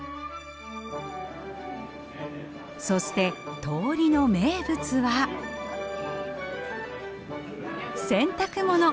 そして通りの名物は洗濯物。